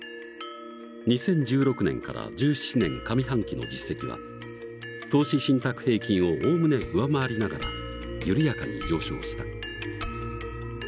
２０１６年から１７年上半期の実績は投資信託平均をおおむね上回りながら緩やかに上昇した。